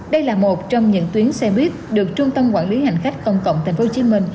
đây là một trong những tuyến xe buýt được trung tâm quản lý hành khách công cộng tp hcm